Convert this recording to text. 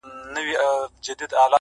څوك مي دي په زړه باندي لاس نه وهي،